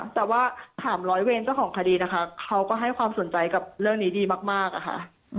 แต่ว่าถามร้อยเวรเจ้าของคดีนะคะเขาก็ให้ความสนใจกับเรื่องนี้ดีมากอะค่ะ